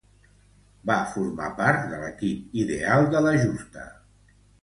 Va formar part de l'equip ideal de la justa.